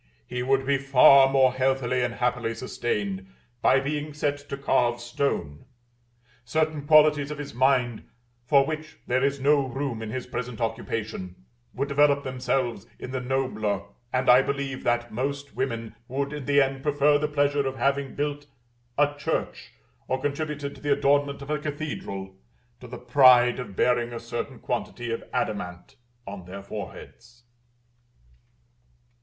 He would be far more healthily and happily sustained by being set to carve stone; certain qualities of his mind, for which there is no room in his present occupation, would develope themselves in the nobler; and I believe that most women would, in the end, prefer the pleasure of having built a church, or contributed to the adornment of a cathedral, to the pride of bearing a certain quantity of adamant on their foreheads.